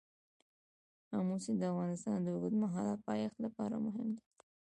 آمو سیند د افغانستان د اوږدمهاله پایښت لپاره مهم دی.